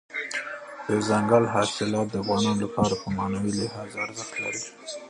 دځنګل حاصلات د افغانانو لپاره په معنوي لحاظ ارزښت لري.